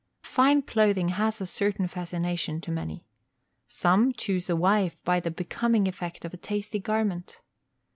Fine clothing has a certain fascination to many. Some choose a wife by the becoming effect of a tasty garment.